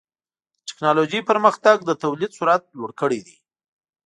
د ټکنالوجۍ پرمختګ د تولید سرعت لوړ کړی دی.